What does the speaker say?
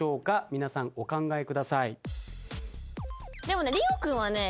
皆さんお考えください。